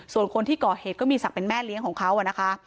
ส่วนคนที่ก่อเหตุก็มีศักดิ์เป็นแม่เลี้ยงของเขานะคะ